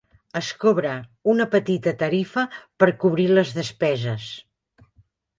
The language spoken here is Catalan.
Es cobra una petita tarifa per cobrir les despeses.